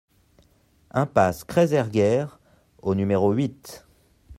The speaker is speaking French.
Impasse Kreiz er Gêr au numéro huit